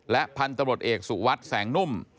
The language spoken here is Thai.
และพันธบรดเอกสุวัสด์แสงนุ่ม